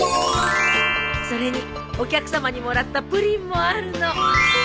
それにお客さまにもらったプリンもあるの。